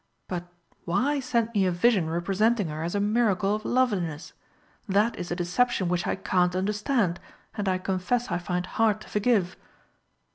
But why send me a vision representing her as a miracle of loveliness? That is a deception which I can't understand, and I confess I find hard to forgive!"